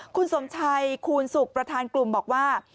คุณสมชัยคูณสุขประธานกลุ่มบอกว่า